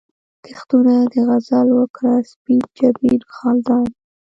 کښتونه د غزل وکره، سپین جبین خالدارې